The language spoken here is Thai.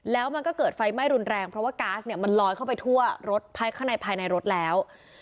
แล้วมันก็เกิดไฟไหม้รุนแรงเพราะว่าก๊าซเนี่ยมันลอยเข้าไปทั่วรถภายข้างในภายในรถแล้ว